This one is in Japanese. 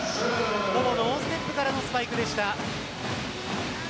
ほぼノーステップからのスパイクでした。